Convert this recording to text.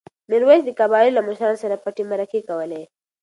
میرویس د قبایلو له مشرانو سره پټې مرکې کولې.